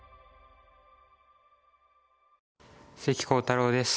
関航太郎です。